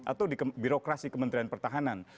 atau di birokrasi kementerian pertahanan